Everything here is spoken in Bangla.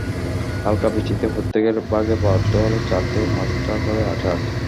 হালকা বৃষ্টিতে প্রত্যেকের ভাগে বরাদ্দ হলো চার থেকে পাঁচটা করে আছাড়।